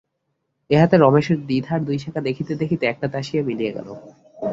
ইহাতে রমেশের দ্বিধার দুই শাখা দেখিতে দেখিতে একটাতে আসিয়া মিলিয়া গেল।